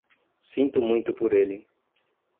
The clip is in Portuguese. Sinto muito por ele.